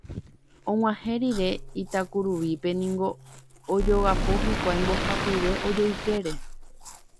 Og̃uahẽ rire Itakuruvípe niko ojogapo hikuái mbohapyve ojoykére.